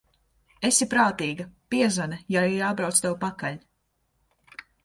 Esi prātīga, piezvani, ja ir jābrauc tev pakaļ.